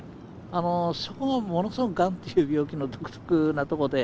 そこがものすごくがんという病気の独特なところで。